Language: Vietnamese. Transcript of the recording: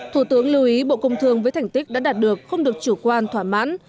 thủ tướng lưu ý bộ công thương với thành tích đã đạt được không được chủ quan thỏa mãn